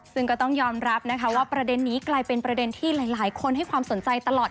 ซึ่งก็ต้องยอมรับนะคะว่าประเด็นนี้กลายเป็นประเด็นที่หลายคนให้ความสนใจตลอด